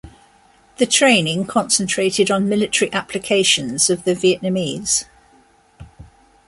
The training concentrated on military applications of the Vietnamese.